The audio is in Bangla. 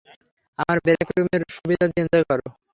আমার ব্রেক রুমের সুবিধাদি এনজয় কর।